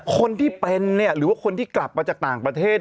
คนที่เป็นหรือว่าคนที่กลับมาจากต่างประเทศ